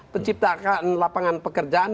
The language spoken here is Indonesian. penciptakan lapangan pekerjaan